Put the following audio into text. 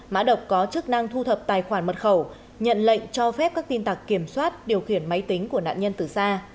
mã độc có chức năng thu thập tài khoản mật khẩu nhận lệnh cho phép các tin tặc kiểm soát điều khiển máy tính của nạn nhân từ xa